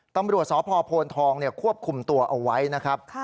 ต้องบริวจสพทองควบคุมตัวเอาไว้นะครับ